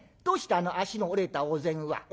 あの脚の折れたお膳は。